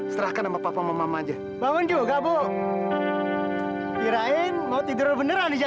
sampai jumpa di video selanjutnya